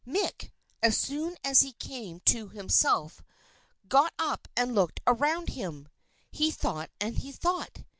Mick, as soon as he came to himself, got up and looked around him. He thought and he thought.